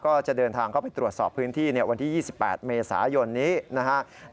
ก็จะเดินทางเข้าไปตรวจสอบพื้นที่วันที่๒๘เมษายนนี้นะครับ